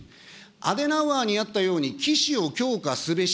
アデナウアーにあったように、岸を強化すべし。